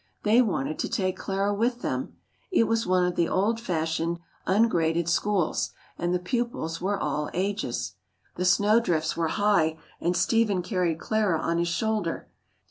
They wanted to take Clara with them. It was one of the old fashioned, ungraded schools, and the pupils were all ages. The snowdrifts were high, and Stephen carried Clara on his shoulder.